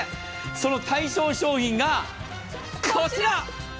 その対象商品がこちら。